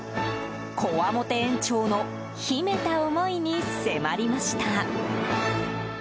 こわもて園長の秘めた思いに迫りました。